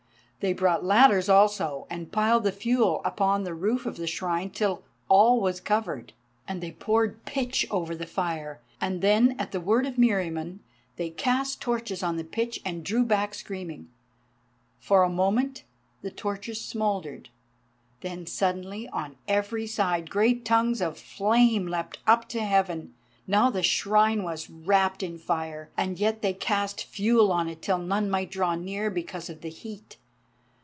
They brought ladders also, and piled the fuel upon the roof of the Shrine till all was covered. And they poured pitch over the fuel, and then at the word of Meriamun they cast torches on the pitch and drew back screaming. For a moment the torches smouldered, then suddenly on every side great tongues of flame leapt up to heaven. Now the Shrine was wrapped in fire, and yet they cast fuel on it till none might draw near because of the heat.